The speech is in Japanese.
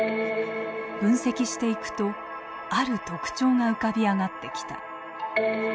分析していくとある特徴が浮かび上がってきた。